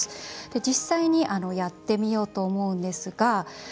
実際にやってみようと思うんですが。